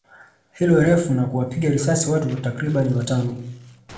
hilo refu na kuwapiga risasi watu takribani watano